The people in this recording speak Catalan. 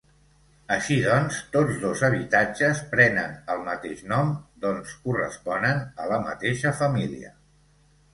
Així doncs, tots dos habitatges prenen el mateix nom doncs corresponen a la mateixa família.